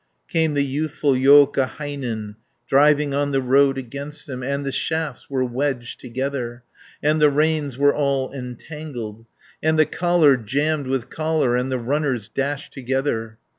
90 Came the youthful Joukahainen Driving on the road against him, And the shafts were wedged together, And the reins were all entangled, And the collar jammed with collar, And the runners dashed together.